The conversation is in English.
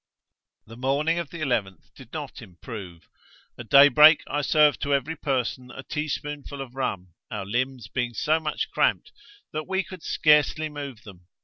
The morning of the 11th did not improve. 'At day break I served to every person a teaspoonful of rum, our limbs being so much cramped that we could scarcely move them.